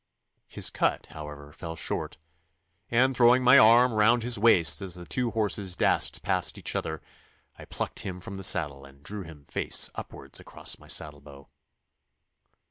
His cut, however, fell short, and throwing my arm round his waist as the two horses dashed past each other, I plucked him from the saddle and drew him face upwards across my saddlebow.